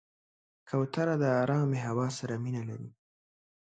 کوتره د آرام هوا سره مینه لري.